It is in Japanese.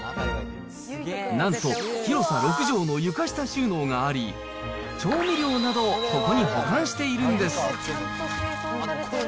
なんと広さ６畳の床下収納があり、調味料などをここに保管しているんです。